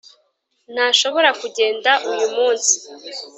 ntashobora kugenda uyu munsi.